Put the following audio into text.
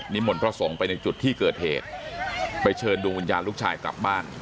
มนต์พระสงฆ์ไปในจุดที่เกิดเหตุไปเชิญดวงวิญญาณลูกชายกลับบ้าน